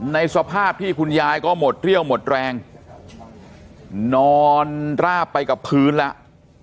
ในสภาพที่คุณยายก็หมดเรี่ยวหมดแรงนอนราบไปกับพื้นแล้ว